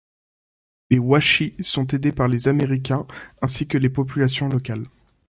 Les Wa Chi sont aidés par les Américains ainsi que les populations locales.